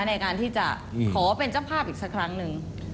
ในการที่จะขอเป็นเจ้าภาพอีกสักครั้งหนึ่ง